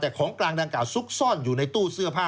แต่ของกลางดังกล่าซุกซ่อนอยู่ในตู้เสื้อผ้า